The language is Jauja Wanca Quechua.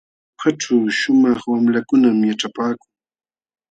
Jaujaćhu shumaq wamlakunam yaćhapaakun.